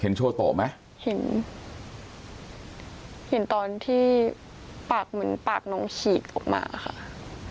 โชโตไหมเห็นเห็นตอนที่ปากเหมือนปากน้องฉีกออกมาค่ะ